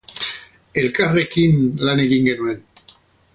Elkarrekin lan egin genuen.